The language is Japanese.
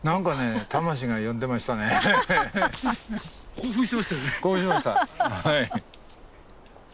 興奮してましたよね。